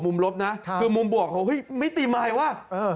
มุมลบนะค่ะคือมุมบวกเฮ้ยไม่ติไมล์ว่าเออ